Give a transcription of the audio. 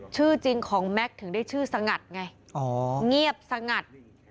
ชื่อจริงของแม็กซ์ถึงได้ชื่อสงัดไงเงียบสงัด